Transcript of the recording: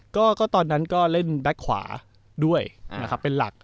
ก็ตอนนั้นก็เล่นแบ็คขวาด้วยนะครับเป็นหลัก